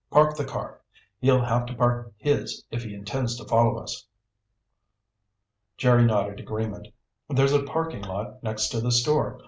Park the car. He'll have to park his if he intends to follow us." Jerry nodded agreement. "There's a parking lot next to the store.